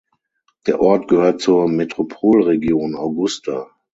Der Ort gehört zur Metropolregion Augusta.